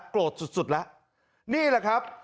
โกรธสุดละนี่แหละครับ